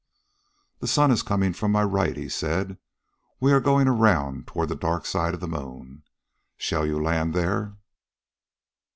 "The sun is coming from my right," he said. "We are going around toward the dark side of the moon. Shall you land there?"